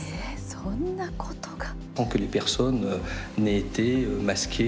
そんなことが。